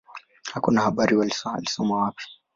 Hakuna habari alisoma wapi.